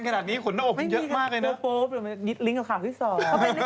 ขนหน้าอกคุณพลึบเลยเมื่อกี้ผมเห็น